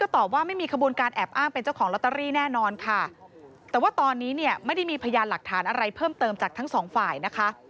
แต่ว่าตอนนี้ไม่ได้มีพยานหลักฐานอะไรเพิ่มเติมจากทั้ง๒ฝ่ายนะคะ